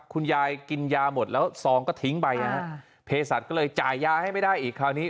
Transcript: คุณยายกินยาหมดแล้วซองก็ทิ้งไปนะฮะเพศัตริย์ก็เลยจ่ายยาให้ไม่ได้อีกคราวนี้